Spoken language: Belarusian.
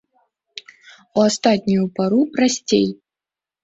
У астатнюю пару прасцей.